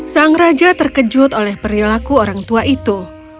sang raja terkejut oleh perilaku orang tua itu